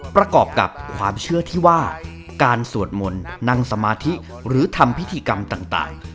ประกอบกับความเชื่อที่ว่าการสวดมนต์นั่งสมาธิหรือทำพิธีกรรมต่าง